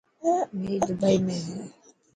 ميچ دبي ۾ هي.